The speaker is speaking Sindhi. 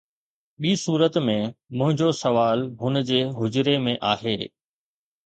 ٻي صورت ۾، منهنجو سوال هن جي حجري ۾ آهي